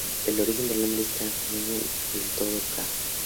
El origen del nombre de esta pedanía no está del todo claro.